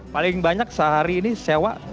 paling banyak sehari ini sewa